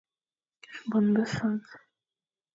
Bon be Fañ.